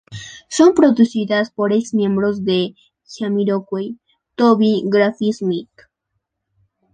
Son producidas por ex-miembros de Jamiroquai, Toby Grafty-Smith.